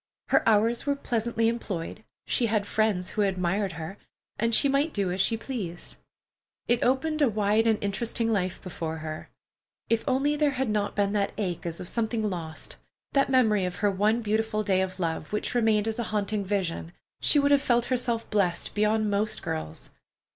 Her hours were pleasantly employed, she had friends who admired her, and she might do as she pleased. It opened a wide and interesting life before her. If only there had not been that ache as of something lost, that memory of her one beautiful day of love, which remained as a haunting vision, she would have felt herself blest beyond most girls.